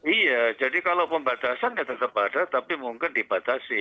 iya jadi kalau pembatasan ya tetap ada tapi mungkin dibatasi